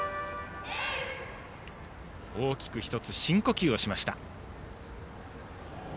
大きく１つ深呼吸をしました。